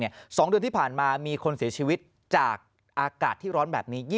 สองเดือนที่ผ่านมามีคนเสียชีวิตจากอากาศที่ร้อนแบบนี้